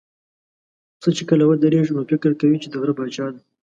پسه چې کله ودرېږي، نو فکر کوي چې د غره پاچا دی.